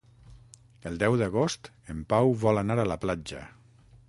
El deu d'agost en Pau vol anar a la platja.